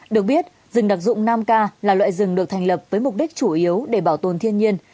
được biết rừng đặc dụng nam ca là loại rừng được thành lập với mục đích chủ yếu để bảo tồn thiên nhiên